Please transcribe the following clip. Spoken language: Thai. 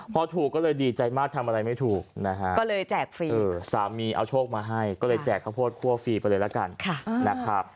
พอถูกก็เลยดีใจมากทำอะไรไม่ถูกนะฮะก็เลยแจกฟรีสามีเอาโชคมาให้ก็เลยแจกข้าวโพดคั่วฟรีไปเลยละกันนะครับ